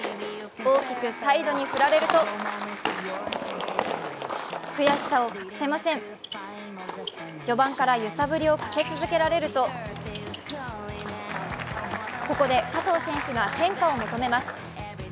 大きくサイドに振られると悔しさを隠せません序盤から揺さぶりをかけ続けられるとここで加藤選手が変化を求めます。